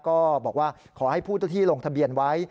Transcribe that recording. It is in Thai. ก็บอกว่าขอให้ผู้เจ้าที่ลงทะเบียนไว้